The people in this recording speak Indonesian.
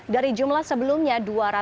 dari jumlah sebelumnya dua ratus dua